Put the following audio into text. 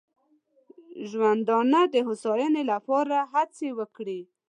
ژوندانه د هوساینې لپاره هڅې وکړي.